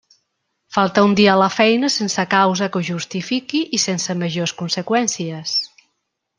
Faltar un dia a la feina sense causa que ho justifiqui i sense majors conseqüències.